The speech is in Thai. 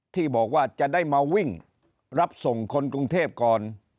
ที่บอกว่าจะได้มาวิ่งรับส่งคนกรุงเทพก่อน